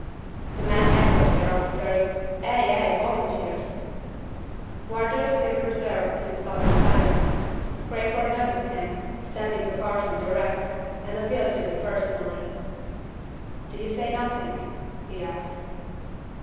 The men echoed their officers. "Ay, ay, volunteers." Wardour still preserved his sullen silence. Crayford noticed him. standing apart from the rest, and appealed to him personally. "Do you say nothing?" he asked.